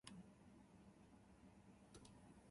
それでもまだ残っていましたから、